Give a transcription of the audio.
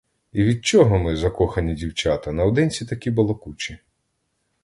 І від чого ми, закохані дівчата, наодинці такі балакучі?